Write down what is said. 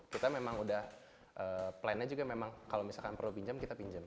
kita memang udah plannya juga memang kalau misalkan perlu pinjam kita pinjam